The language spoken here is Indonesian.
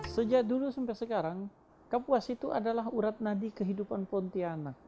sejak dulu sampai sekarang kapuas itu adalah urat nadi kehidupan pontianak